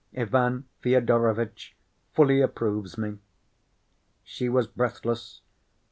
Ivan Fyodorovitch fully approves me." She was breathless.